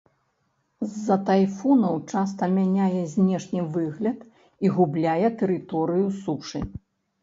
З-за тайфунаў часта мяняе знешні выгляд і губляе тэрыторыю сушы.